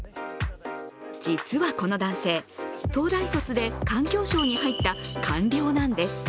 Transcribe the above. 実はこの男性、東大卒で環境省に入った官僚なんです。